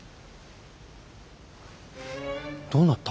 どうなった？